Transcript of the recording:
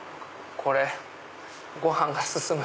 これご飯が進む！